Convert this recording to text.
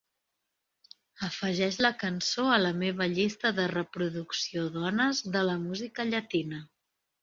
Afegeix la cançó a la meva llista de reproducció Dones de la música llatina.